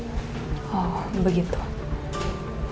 kalau tidak ibu tidak bisa menanyakan tentang keadaannya